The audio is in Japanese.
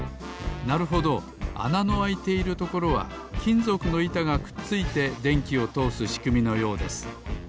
なるほどあなのあいているところはきんぞくのいたがくっついてでんきをとおすしくみのようです。